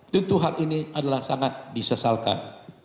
tentu hal ini adalah sangat disesalkan